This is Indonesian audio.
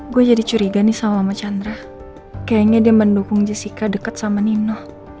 gue jadi curiga nih sama mas chandra kayaknya dia mendukung jessica dekat sama nino